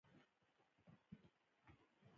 روبوټونه د دقیقو وسایلو یوه برخه دي.